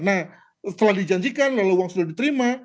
nah setelah dijanjikan lalu uang sudah diterima